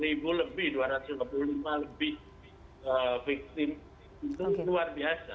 dua puluh ribu lebih dua ratus lima puluh lima lebih victim itu luar biasa